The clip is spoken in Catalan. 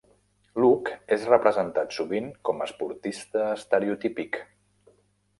Luke es representat sovint com esportista estereotípic.